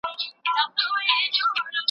په دنیا کي ښادي نسته دا د غم په ورځ پیدا ده